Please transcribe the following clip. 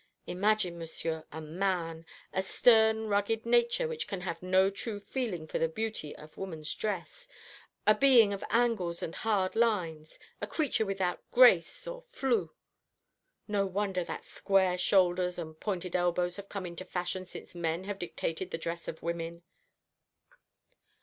Imagine, Monsieur, a man a stern rugged nature which can have no true feeling for the beauty of woman's dress a being of angles and hard lines a creature without grace or flou. No wonder that square shoulders and pointed elbows have come into fashion since men have dictated the dress of women!"